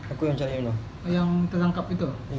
aku yang cari yang terangkap itu